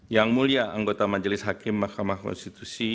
yang mulia anggota majelis hakim mahkamah konstitusi